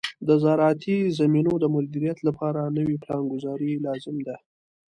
د زراعتي زمینو د مدیریت لپاره نوې پلانګذاري لازم ده.